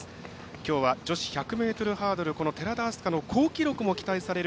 きょうは女子１００ｍハードル寺田明日香の好記録も期待される